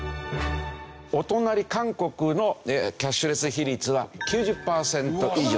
お隣韓国のキャッシュレス比率は９０パーセント以上。